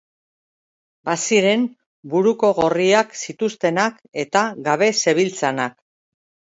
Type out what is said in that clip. Baziren buruko gorriak zituztenak eta gabe zebiltzanak.